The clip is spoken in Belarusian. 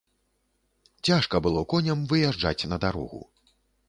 Цяжка было коням выязджаць на дарогу.